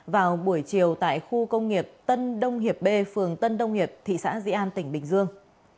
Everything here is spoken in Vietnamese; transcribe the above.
vào buổi chiều tại khu công nghiệp tân đông hiệp b phường tân đông hiệp thị xã di an tỉnh bình dương